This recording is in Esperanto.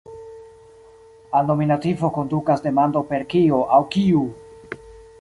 Al nominativo kondukas demando per "kio" aŭ "kiu".